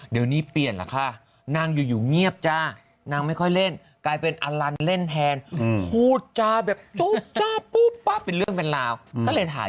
เดี๋ยวนี่เปลี่ยนแหละค่ะ